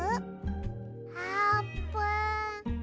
あーぷん？